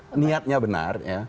tidak sepenuhnya benar